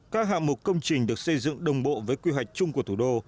các hạng mục công trình được xây dựng đồng bộ với quy hoạch chung của thủ đô